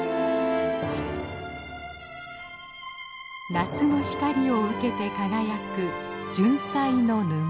夏の光を受けて輝くジュンサイの沼。